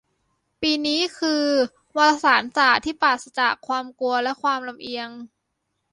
ปีนี้ คือ "วารสารศาสตร์ที่ปราศจากความกลัวและความลำเอียง"